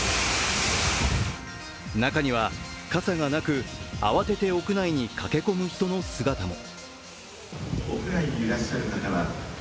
中には傘がなく、慌てて屋内に駆け込む人の姿も。